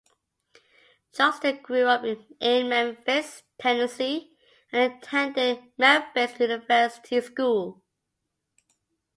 Johnston grew up in Memphis, Tennessee, and attended Memphis University School.